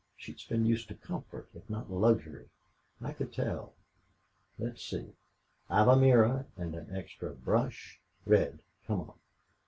She's been used to comfort, if not luxury. I could tell.... Let's see. I've a mirror and an extra brush.... Red, come on."